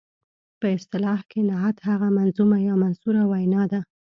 په اصطلاح کې نعت هغه منظومه یا منثوره وینا ده.